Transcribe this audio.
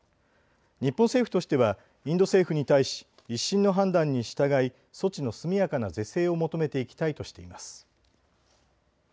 日本政府としてはインド政府に対し１審の判断に従い措置の速やかな是正を求めていきたいとしています。